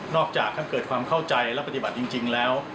จากท่านเกิดความเข้าใจและปฏิบัติจริงแล้ว